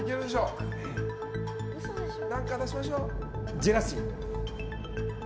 「ジェラシー」。